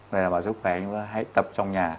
để giúp khỏe chúng ta hãy tập trong nhà